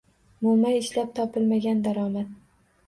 Mo‘may ishlab topilmagan daromad